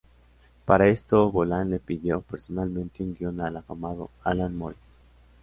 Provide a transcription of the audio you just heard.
Para esto Bolland le pidió personalmente un guion al afamado Alan Moore.